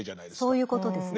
そういうことですね。